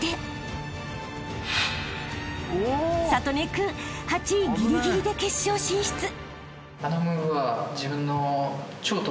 ［智音君８位ギリギリで決勝進出］